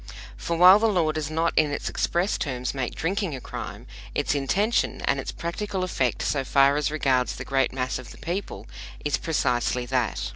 For while the law does not in its express terms make drinking a crime, its intention and its practical effect so far as regards the great mass of the people is precisely that.